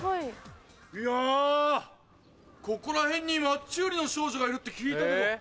いやここら辺にマッチ売りの少女がいるって聞いたけど。